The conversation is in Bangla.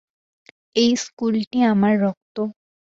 এই স্কুলটি আমার রক্ত।